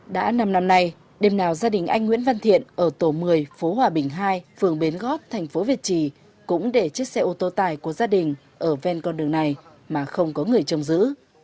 đã năm năm nay đêm nào gia đình anh nguyễn văn thiện ở tổ một mươi phố hòa bình hai phường bến gót thành phố việt trì cũng để chiếc xe ô tô tải của gia đình ở ven con đường này mà không có người trông giữ